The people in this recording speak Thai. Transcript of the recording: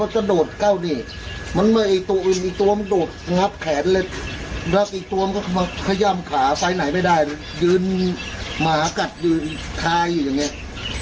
ส่วนตัวมันก็ขย่ามขาซ้ายไหนไม่ได้ยืนหมากัดยืนคลายอยู่อย่างเงี้ย